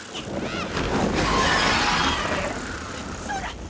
そうだ！